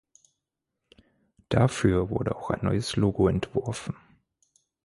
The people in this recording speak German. Dafür wurde auch ein neues Logo entworfen.